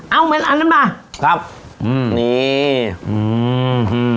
เอาไหมล่ะน้ำตาลครับนี่อืม